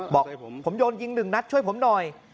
บอกผมโดนยิง๑นัดช่วยผมหน่อย